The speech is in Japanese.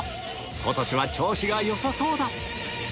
今年は調子がよさそうだ